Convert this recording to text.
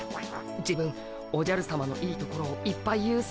自分おじゃるさまのいいところをいっぱい言うっす。